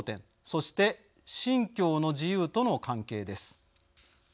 そして信教の自由との関係です。